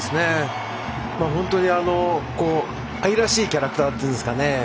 本当に、愛らしいキャラクターっていうんですかね。